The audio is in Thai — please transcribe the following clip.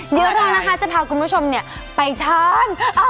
เดี๋ยวเราจะพาคุณผู้ชมไปเธอน